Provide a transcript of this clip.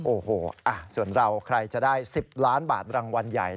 โอ้โหส่วนเราใครจะได้๑๐ล้านบาทรางวัลใหญ่